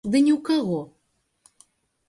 Ды ні ў каго!